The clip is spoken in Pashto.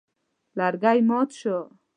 لرګی مات شو.